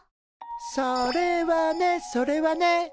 それはねそれはね。